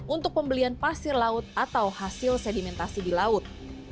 untuk pembelian pasir laut atau hasil sedimentasi di laut